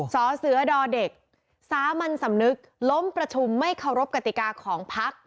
สอเสือดอเด็กสามัญสำนึกล้มประชุมไม่เคารพกติกาของพัก